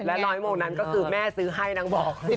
และร้อยโมงนั้นก็คือแม่ซื้อให้นางบอก